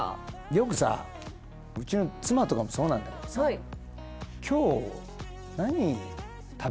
よくさうちの妻とかもそうなんだけどさなるのね